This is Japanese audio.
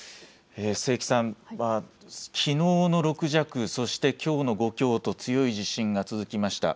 清木さん、きのうの６弱、そしてきょうの５強と強い地震が続きました。